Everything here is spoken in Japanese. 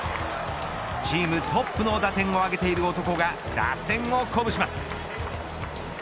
チームトップの打点を挙げている男が打線を鼓舞します。